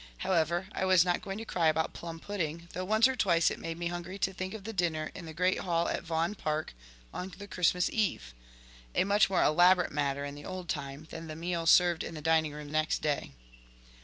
However, I was not going to cry about plum pudding, though once or twice it made me hungry to think of the dinner in the great hall at Vaughan Park on the Christmas eve; a much more elaborate matter in the old time, than the meal served in the dining room next day.